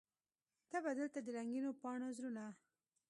ته به دلته د رنګینو پاڼو زړونه